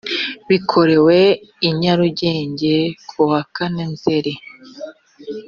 bikorewe i nyarugenge kuwa kane nzeri